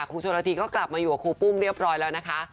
ครูชนละทีก็กลับมาอยู่กับครูปุ้มเรียบร้อยแล้วนะคะ